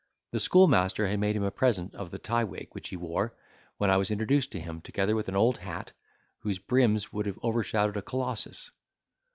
The schoolmaster had made him a present of the tie wig which he wore, when I was introduced to him, together with an old hat, whose brims would have overshadowed a Colossus.